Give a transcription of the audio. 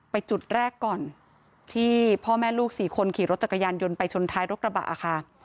จุดแรกก่อนที่พ่อแม่ลูกสี่คนขี่รถจักรยานยนต์ไปชนท้ายรถกระบะค่ะ